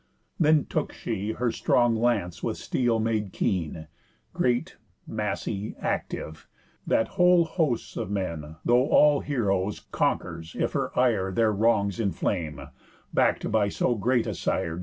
Then took she her strong lance with steel made keen, Great, massy, active, that whole hosts of men, Though all heroës, conquers, if her ire Their wrongs inflame, back'd by so great a Sire.